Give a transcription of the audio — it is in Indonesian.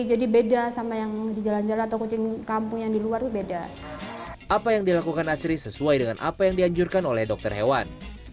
apa yang dilakukan asri sesuai dengan apa yang dianjurkan oleh dokter hewan